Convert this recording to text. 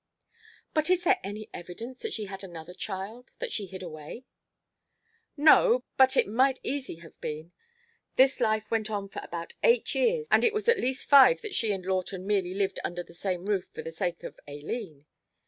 "But is there any evidence that she had another child that she hid away?" "No, but it might easy have been. This life went on for about eight years, and it was at least five that she and Lawton merely lived under the same roof for the sake of Aileen.